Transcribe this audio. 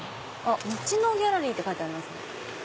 「道のギャラリー」って書いてありますね。